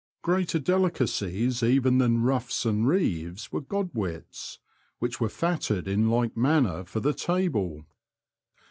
Greater delicacies even than ruffs and reeves were godwits, which were fatted in like manner for the table.